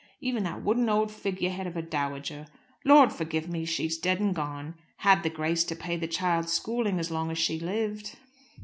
Even that wooden old figurehead of a dowager Lord forgive me, she's dead and gone! had the grace to pay the child's schooling as long as she lived."